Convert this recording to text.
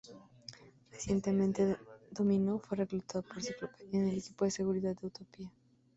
Recientemente, Dominó fue reclutada por Cíclope, en el equipo de seguridad de Utopía.